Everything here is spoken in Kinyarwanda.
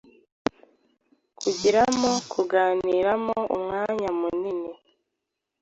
kwigiramo, kuganiriramo umwanya munini,